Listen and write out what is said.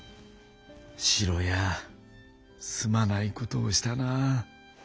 「シロやすまないことをしたなあ。